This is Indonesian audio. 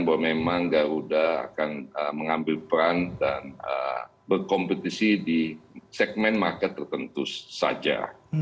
bahwa memang garuda akan mengambil peran dan berkompetisi di segmen market tertentu saja